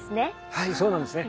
はいそうなんですね。